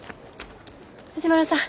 藤丸さん